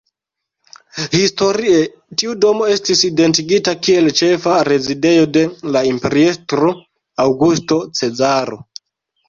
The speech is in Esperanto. Historie, tiu domo estis identigita kiel ĉefa rezidejo de la imperiestro Aŭgusto Cezaro.